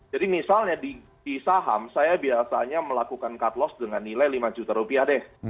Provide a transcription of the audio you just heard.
jadi misalnya di di saham saya biasanya melakukan cut loss dengan nilai lima juta rupiah deh